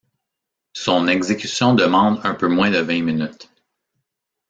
Son exécution demande un peu moins de vingt minutes.